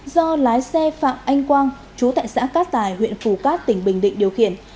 do lái xe phạm anh quang chú tại xã cát tài huyện phù cát tỉnh bình định điều khiển